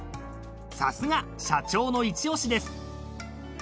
［さすが社長のイチオシです］